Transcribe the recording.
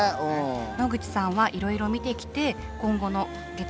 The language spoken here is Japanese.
野口さんはいろいろ見てきて今後の月面開発